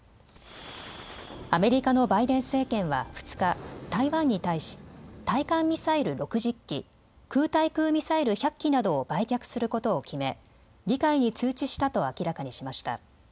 アメリカのバイデン政権は２日、台湾に対し対艦ミサイル６０基、空対空ミサイル１００基などを売却することを決め、議会に通知したと明らかにしました。